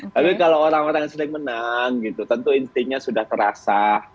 tapi kalau orang orang yang sering menang gitu tentu instingnya sudah terasa